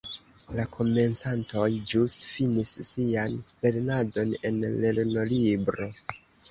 La komencantoj, ĵus finis sian lernadon en lernolibro.